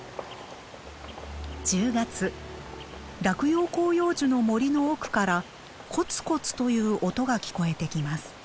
落葉広葉樹の森の奥からコツコツという音が聞こえてきます。